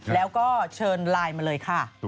แล้วก็เชิญไลน์มาเลยค่ะ